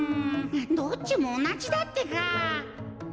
どっちもおなじだってか。